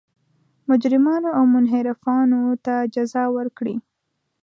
مجرمانو او منحرفانو ته جزا ورکړي.